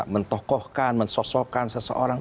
mentokohkan mensosokkan seseorang